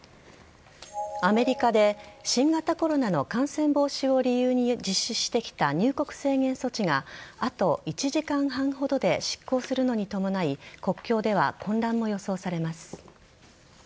アメリカで新型コロナの感染防止を理由に実施してきた入国制限措置があと１時間半ほどで失効するのに伴い国境では混乱も予想されます。